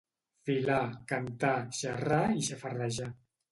Filar, cantar, xerrar i xafardejar.